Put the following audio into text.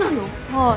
はい。